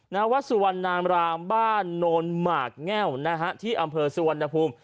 ณวัดสุวรรณามรามบ้านโนนหมากแง่วนะฮะที่อำเภอสุวรรณภูมิ